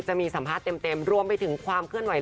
จะมีสัมภาษณ์เต็มรวมไปถึงความเคลื่อนไหว